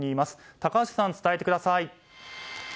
高橋さん、伝えてください。